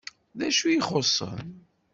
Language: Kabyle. D acu i t-ixuṣṣen?